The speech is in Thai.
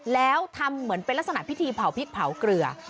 แล้วทำเหมือนเป็นลักษณะพิธีเผาพริกเผาเกลือ